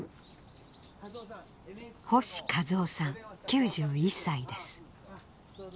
星一男さん９１歳です。